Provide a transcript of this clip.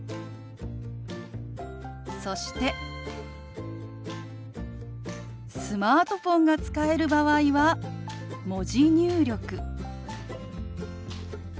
そしてスマートフォンが使える場合は文字入力。